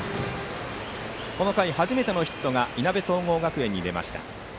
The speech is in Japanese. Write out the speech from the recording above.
この回始めてのヒットがいなべ総合学園に出ました。